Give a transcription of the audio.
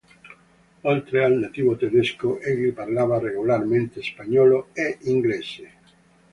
Oltre al nativo tedesco, egli parlava regolarmente spagnolo e inglese.